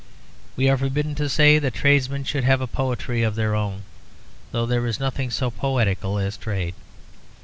We are forbidden to say that tradesmen should have a poetry of their own, although there is nothing so poetical as trade.